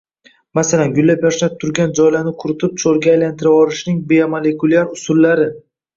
Masalan, gullab-yashnab turgan joylarni quritib cho‘lga aylantirvorishning biomolekulyar usullar